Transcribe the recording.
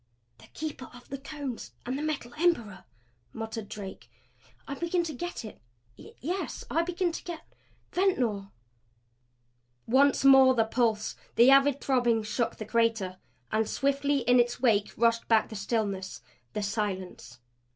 "The Keeper of the Cones and the Metal Emperor!" muttered Drake. "I begin to get it yes I begin to get Ventnor!" Once more the pulse, the avid throbbing shook the crater. And as swiftly in its wake rushed back the stillness, the silence.